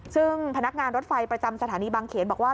ซึ่งพนักงานรถไฟประจำสถานีบางเขนบอกว่า